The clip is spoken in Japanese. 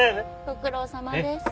ご苦労さまです。